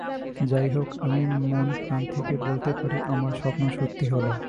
যাই হোক আমি মনপ্রাণ থেকেই বলতে পারি আমার স্বপ্ন সত্যি হলো।